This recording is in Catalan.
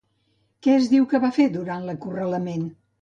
Què es diu que va fer durant acorralament?